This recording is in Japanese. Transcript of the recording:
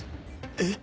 えっ？